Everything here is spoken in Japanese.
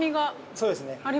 ◆そうですね。